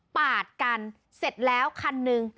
ปาดกันเสร็จแล้วคันหนึ่ง